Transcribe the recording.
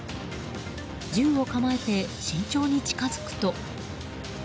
銃を構えて慎重に近づくと。